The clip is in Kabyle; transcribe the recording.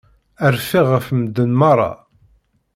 Rfiɣ ɣef medden merra.